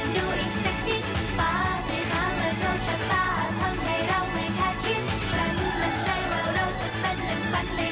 อยากให้คุณช่วยเราด้วยนะ